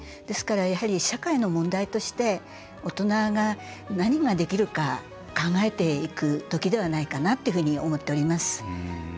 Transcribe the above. ですから、社会の問題として大人が何ができるか考えていくときではないかなと思っております。